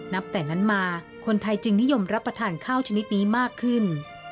แต่นั้นมาคนไทยจึงนิยมรับประทานข้าวชนิดนี้มากขึ้น